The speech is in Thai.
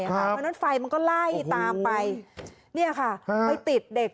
เพราะฉะนั้นไฟมันก็ไล่ตามไปติดเด็ก